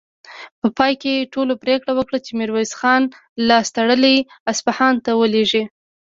په پای کې ټولو پرېکړه وکړه چې ميرويس خان لاس تړلی اصفهان ته ولېږي.